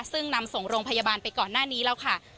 ซึ่งนำส่งโรงพยาบาลไปก่อนหน้านี้แล้วค่ะ